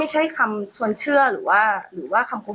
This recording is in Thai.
ดีก่อนเดี๋ยวออกไปก็โดน